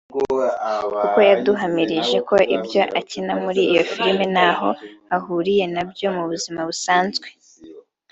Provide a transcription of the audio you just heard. kuko yaduhamirije ko ibyo akina muri iyo filime ntaho ahuriye nabyo mu buzima busanzwe